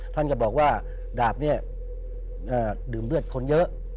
ท่านก็บอกว่าดาบเนี่ยดื่มเลือดคนเยอะ